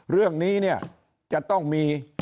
เรื่องนี้เนี่ยจะต้องมี